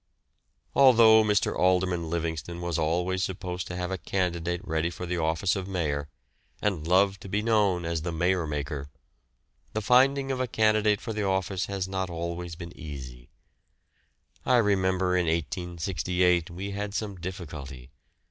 Although Mr. Alderman Livingston was always supposed to have a candidate ready for the office of Mayor, and loved to be known as the "Mayor maker," the finding of a candidate for the office has not been always easy. I remember in 1868 we had some difficulty.